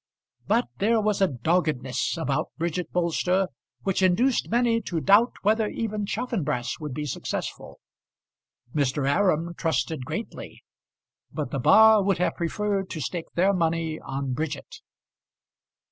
But there was a doggedness about Bridget Bolster which induced many to doubt whether even Chaffanbrass would be successful. Mr. Aram trusted greatly; but the bar would have preferred to stake their money on Bridget.